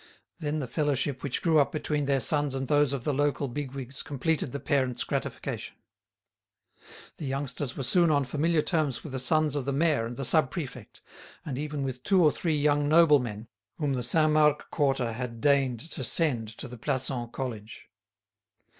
Then the fellowship which grew up between their sons and those of the local big wigs completed the parents' gratification. The youngsters were soon on familiar terms with the sons of the Mayor and the Sub Prefect, and even with two or three young noblemen whom the Saint Marc quarter had deigned to send to the Plassans College.